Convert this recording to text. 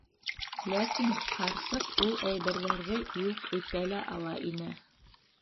Ләкин ҡарсыҡ ул әйберҙәрҙе юҡ итә лә ала ине...